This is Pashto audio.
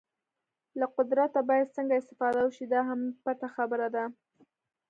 له قدرته باید څنګه استفاده وشي دا هم پټه خبره ده.